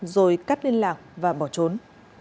rồi cắt liên lạc và bỏ trốn